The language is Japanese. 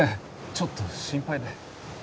ちょっと心配で。